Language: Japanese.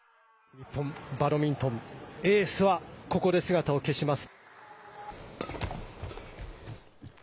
日本バドミントン、エースはここで姿を消します。